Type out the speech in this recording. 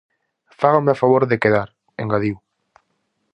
-Fágame o favor de quedar -engadiu-.